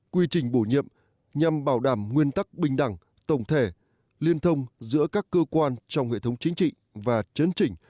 quy trình bổ nhiệm nhằm bảo đảm nguyên tắc bình đẳng tổng thể liên thông giữa các cơ quan trong hệ thống chính trị và chấn chỉnh